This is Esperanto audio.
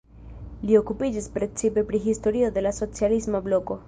Li okupiĝis precipe pri historio de la socialisma bloko.